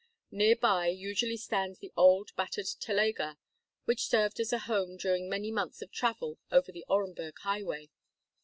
Near by usually stands the old battered telega which served as a home during many months of travel over the Orenburg highway.